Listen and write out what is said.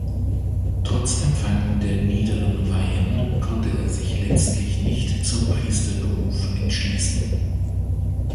Trotz Empfang der niederen Weihen konnte er sich letztlich nicht zum Priesterberuf entschließen.